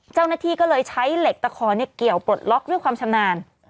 เจ้าหน้าที่ก็เลยใช้เหล็กตะคอเกี่ยวปลดล็อกด้วยความชำนาญ